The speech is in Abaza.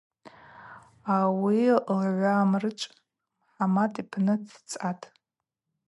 Ауи Лгӏвамрычв Мхӏамат йпны дцатӏ.